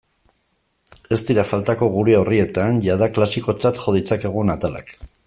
Ez dira faltako gure orrietan jada klasikotzat jo ditzakegun atalak.